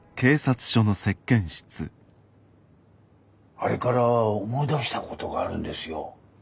あれから思い出したことがあるんですよ。